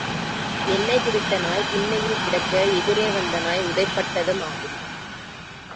எண்ணெய் குடித்த நாய் திண்ணையில் கிடக்க, எதிரே வந்த நாய் உதைபட்டது மாதிரி.